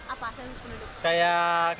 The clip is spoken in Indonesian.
apa sensus penduduk